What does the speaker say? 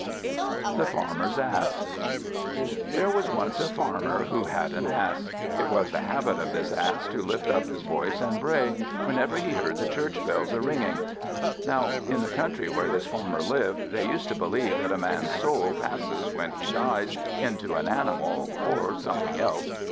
The Farmer's Ass THERE was once a Farmer, who had an Ass. It was the habit of this Ass to lift up his voice and bray, whenever he heard the church bells a ringing. Now in the country where this Farmer lived, they used to believe that a man's soul passes when he dies into an animal, or something else.